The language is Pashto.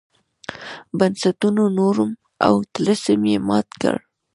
بنسټونو نورم او طلسم یې مات کړ.